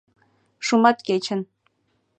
Шуматкечын.